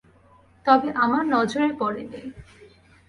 তবে আমার নজরে পরে নি।